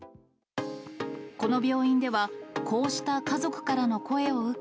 この病院では、こうした家族からの声を受け、